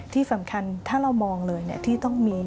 ที่สำคัญถ้าเรามองเลยที่ต้องมี